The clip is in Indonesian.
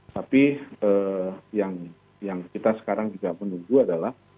tapi yang kita sekarang juga menunggu adalah